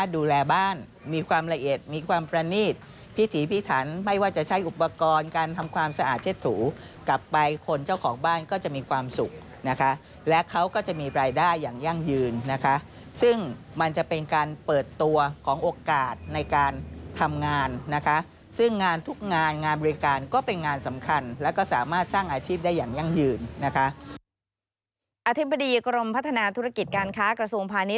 อธิบดีกรมพัฒนาธุรกิจการค้ากระทรวงภัณฑ์นี้